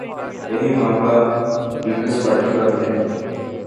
یہی معاملہ پیپلزپارٹی کا بھی ہے۔